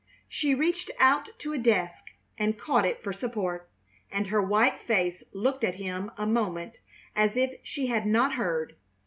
She reached out to a desk and caught at it for support, and her white face looked at him a moment as if she had not heard.